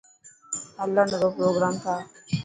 هلڻ رو پروگرام ٺاهه.